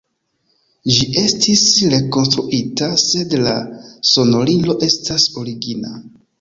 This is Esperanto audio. Ĝi estis rekonstruita, sed la sonorilo estas origina.